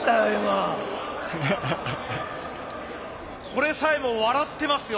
これさえも笑ってますよ。